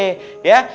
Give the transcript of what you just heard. jangan lupa ya